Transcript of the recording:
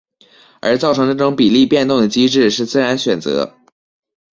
而造成这种比例变动的机制是自然选择。